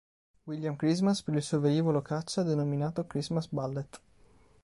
William Christmas per il suo velivolo caccia denominato Christmas Bullet.